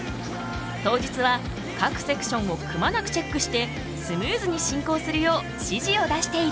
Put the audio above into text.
当日は各セクションをくまなくチェックしてスムーズに進行するよう指示を出している。